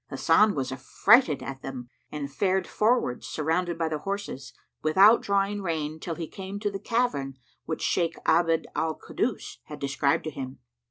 Hasan was affrighted at them and fared forwards surrounded by the horses, without drawing rein till he came to the cavern which Shaykh Abd al Kaddus had described to him.